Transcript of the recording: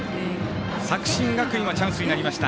作新学院はチャンスになりました。